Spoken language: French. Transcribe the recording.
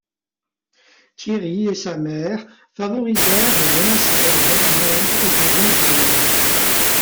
Thierry et sa mère favorisèrent les monastères d'Egmond et de Rijnsburg.